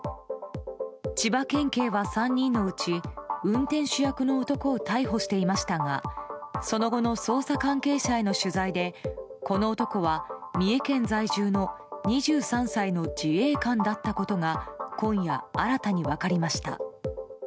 千葉県警は３人のうち運転手役の男を逮捕していましたがその後の捜査関係者への取材でこの男は三重県在住の２３歳の自衛官だったことが今夜、新たに分かりました。